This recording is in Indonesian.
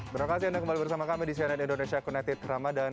berkasihan dan kembali bersama kami di cnn indonesia connected ramadan